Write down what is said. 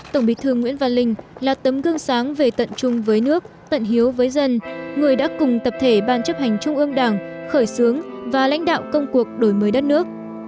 tổng bí thư nguyễn văn linh là tấm gương sáng về tận chung với nước tận hiếu với dân người đã cùng tập thể ban chấp hành trung ương đảng khởi xướng và lãnh đạo công cuộc đổi mới đất nước